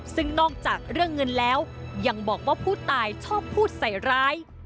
ซึ่งนอกจากเรื่องเงินแล้วยังบอกว่าผู้ตายชอบพูดใส่ร้าย